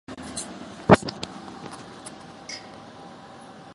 しかし哲学は学として、特に究極の原理に関する学として、統一のあるものでなければならぬ故に、